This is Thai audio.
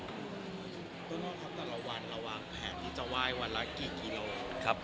ครับแล้ววันระหว่างแผนที่จะไว้วันละกี่กิโลกรัม